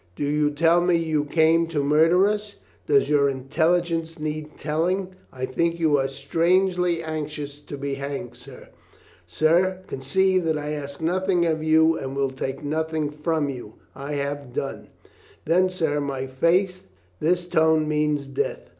"Do you tell me you came to murder us?" "Does your intelligence need telling?" "I think you are strangely anxious to be hanged, sir." "Sir, conceive that I ask nothing of you and will take nothing from you. I have done." "Then, sir, by my faith, this tone means death."